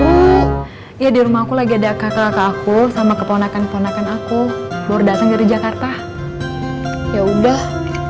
kemanget kok buru buru ya di rumahku lagi ada kakak aku sama keponakan keponakan aku baru datang dari jakarta ya udah